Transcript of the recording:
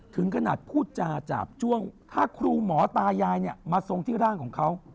ถึงขนาดพูดจาจาบจ้วงถ้าครูหมอตายายเนี่ยมาทรงที่ร่างของเขา